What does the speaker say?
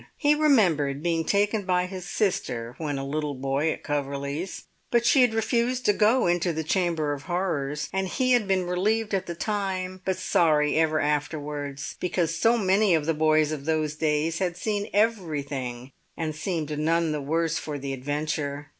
He remembered being taken by his sister when a little boy at Coverley's, but she had refused to go into the Chamber of Horrors, and he had been relieved at the time but sorry ever afterwards, because so many of the boys of those days had seen everything and seemed none the worse for the adventure.